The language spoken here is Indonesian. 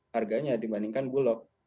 harganya dibandingkan bulog